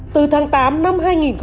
từ tháng tám năm hai nghìn một mươi hai